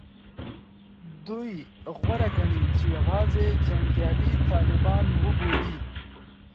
دوی غوره ګڼي چې یوازې جنګیالي طالبان وبولي